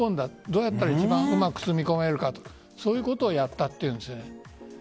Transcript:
どうやったら一番うまく積み込めるかそういうことをやったというんです。